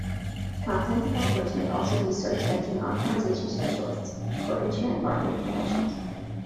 Content developers may also be search engine optimization specialists, or Internet marketing professionals.